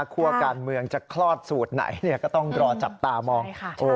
การเมืองจะคลอดสูตรไหนก็ต้องรอจับตามอง